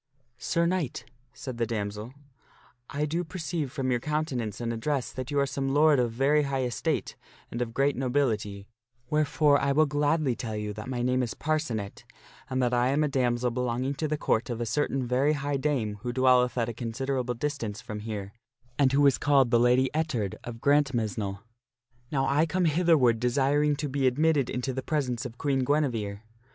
" Sir Knight," said the damsel, " I do perceive from your countenance and address that you are some lord of very high estate and of great nobility, wherefore I will gladly tell to you that my name is Parcenet, and that I am a damsel belonging to the Court of a certain very high dame who dwelleth at a considerable distance from here, and who is called the Lady Ettard of Grantmesnle. Now I come hitherward desiring to be admitted into the presence of Queen Guinevere.